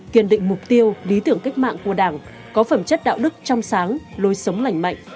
kiên định mục tiêu lý tưởng cách mạng của đảng có phẩm chất đạo đức trong sáng lối sống lành mạnh